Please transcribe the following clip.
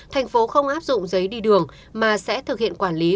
thành phố không áp dụng giấy đi đường mà sẽ thực hiện quản lý